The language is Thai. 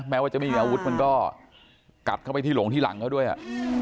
ว่าจะไม่มีอาวุธมันก็กัดเข้าไปที่หลงที่หลังเขาด้วยอ่ะ